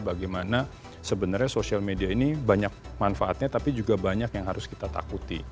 bagaimana sebenarnya sosial media ini banyak manfaatnya tapi juga banyak yang harus kita takuti